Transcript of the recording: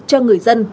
cho người dân